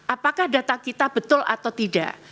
apakah data kita betul atau tidak